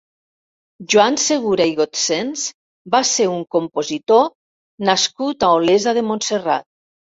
Joan Segura i Gotsens va ser un compositor nascut a Olesa de Montserrat.